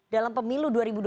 dalam pemilu dua ribu dua puluh